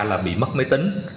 là bị mất máy tính